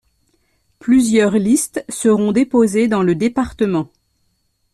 Plusieurs listes seront déposées dans le département.